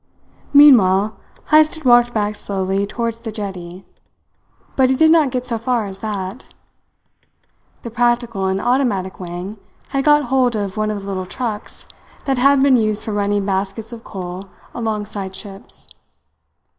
Meanwhile Heyst had walked back slowly towards the jetty; but he did not get so far as that. The practical and automatic Wang had got hold of one of the little trucks that had been used for running baskets of coal alongside ships.